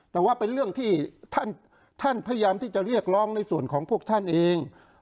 แต่ว่าเป็นเรื่องที่ท่านพยายามที่จะเรียกร้องในส่วนของพวกท่านเอง